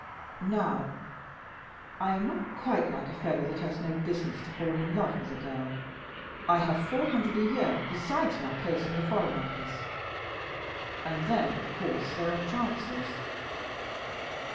Now I am not quite like a fellow that has no business to fall in love with a girl. I have four hundred a year besides my place in the Foreign Office. And then, of course, there are chances."